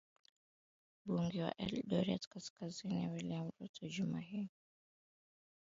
mbunge wa eldoret kaskazini william ruto juma hili